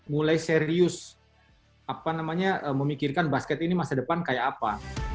mulai serius memikirkan basket ini masa depan kayak apa